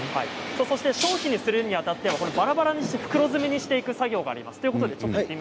商品にするにあたってバラバラにして袋詰めにしていく作業があります。